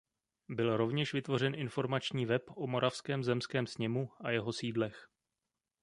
Byl rovněž vytvořen informační web o Moravském zemském sněmu a jeho sídlech.